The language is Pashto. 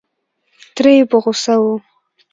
تره یې په غوسه و.